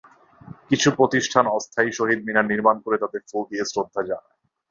কিছু প্রতিষ্ঠান অস্থায়ী শহীদ মিনার নির্মাণ করে তাতে ফুল িদয়ে শ্রদ্ধা জানায়।